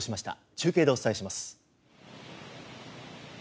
中継でお伝えします。